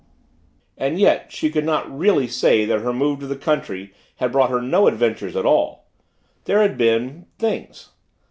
And yet she could not really say that her move to the country had brought her no adventures at all. There had been things.